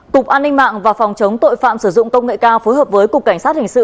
cục an ninh mạng và phòng chống tội phạm sử dụng công nghệ cao phối hợp với cục cảnh sát hình sự